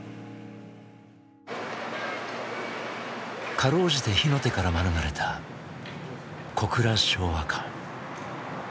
辛うじて火の手から免れた小倉昭和館。